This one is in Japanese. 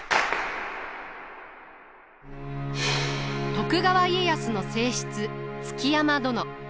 徳川家康の正室築山殿。